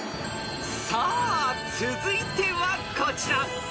［さあ続いてはこちら］